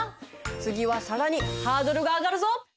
次は更にハードルが上がるぞ！